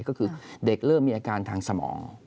ก็คือเด็กเริ่มมีอาการทางสมอง